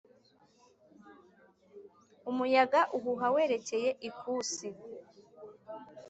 umuyaga uhuha werekeye ikusi